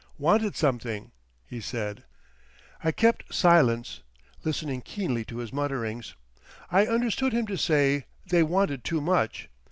"Wanted something," he said. I kept silence, listening keenly to his mutterings. I understood him to say, "They wanted too much."